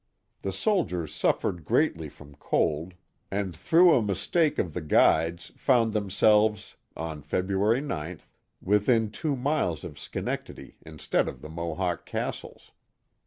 The soldiers suffered greatly from cold, and through a 58 The Mohawk Valley mistake of the guides found themselves, on February 9th, within two miles of Schenectady instead of the Mohawk castles.